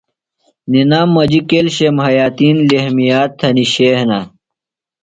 نِنام مجیۡ کییلشم، حیاتین، لحمیات تھنیۡ شئے ہِنہ۔